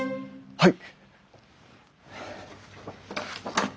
はい。